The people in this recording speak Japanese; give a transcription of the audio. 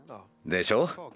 でしょ。